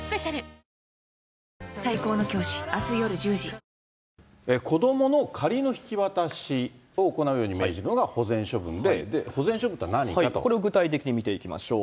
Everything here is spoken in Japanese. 東京海上日動子どもの仮の引き渡しを行うように命じるのが保全処分で、保これ、具体的に見ていきましょう。